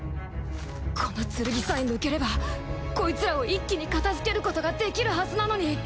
この剣さえ抜ければコイツらを一気に片づけることができるはずなのに。